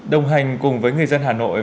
đồng hành cùng với người dân hà nội